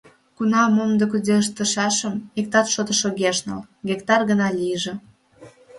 Кунам, мом да кузе ыштышашым иктат шотыш огеш нал — гектар гына лийже.